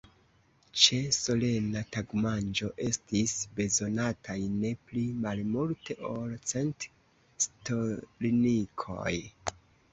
Ĉe solena tagmanĝo estis bezonataj ne pli malmulte ol cent stolnikoj.